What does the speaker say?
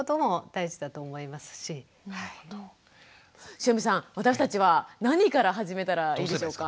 汐見さん私たちは何から始めたらいいでしょうか？